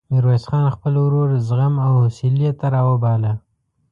ميرويس خان خپل ورور زغم او حوصلې ته راوباله.